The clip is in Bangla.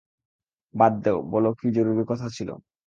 বাদ দেও, বলো, কী জরুরি কথা ছিল?